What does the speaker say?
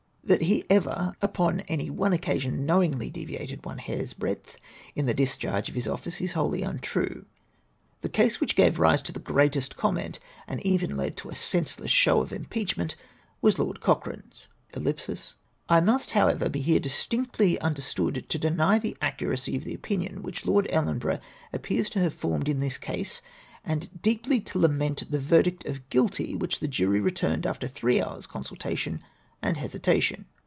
That he ever, upon any one occasion, knowingly deviated one hair's breadth in the discharge of his ofl&ce is wholly untrue. The case which gave rise to the greatest comment, and even led to a senseless show of im peachment was Lord Cochrane's. I must, however, be here distinctly understood to deny the accuracy of the opinion ivJiich Lord EUenborough appears to have formed in this case, and deeply to lament the verdict of rjuilty which the jury returned, after three liours' consultation and hesitation.